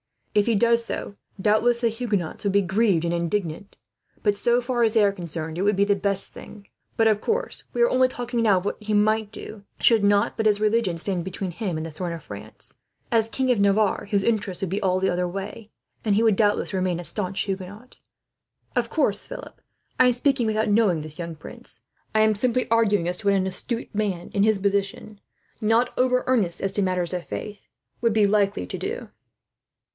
If he does so, doubtless the Huguenots would be grieved and indignant; but so far as they are concerned, it would be the best thing. But of course, we are only talking now of what he might do, should nought but his religion stand between him and the throne of France. As King of Navarre, simply, his interest would be all the other way, and he would doubtless remain a staunch Huguenot. "Of course, Philip, I am speaking without knowing this young prince. I am simply arguing as to what an astute and politic man, in his position, not over earnest as to matters of faith, would be likely to do."